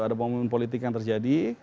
ada pembangunan politik yang terjadi